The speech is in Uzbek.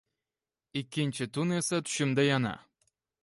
Ikkinchi tun esa tushimda yana